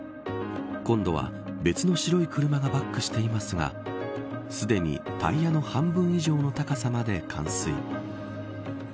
今度は別の白い車がバックしていますがすでに、タイヤの半分以上の高さまで冠水。